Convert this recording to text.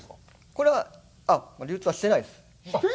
これは流通はしてないです。